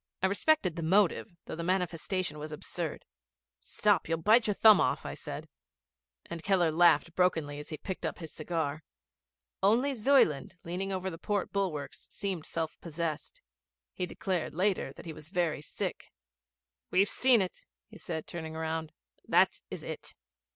I respected the motive, though the manifestation was absurd. 'Stop, you'll bite your thumb off,' I said, and Keller laughed brokenly as he picked up his cigar. Only Zuyland, leaning over the port bulwarks, seemed self possessed. He declared later that he was very sick. 'We've seen it,' he said, turning round. 'That is it.'